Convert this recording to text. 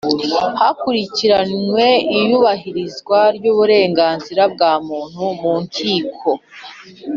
Hakurikiranywe iyubahirizwa ry uburenganzira bwa muntu mu Nkiko